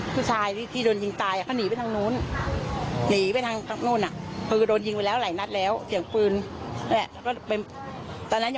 ผู้หญิงก็โพสต์ด่าด่าของเมียผู้ตาย